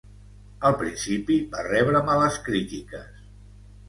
Al principi va rebre males crítiques.